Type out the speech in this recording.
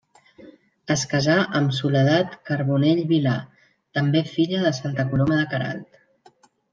Es casà amb Soledat Carbonell Vilà, també filla de Santa Coloma de Queralt.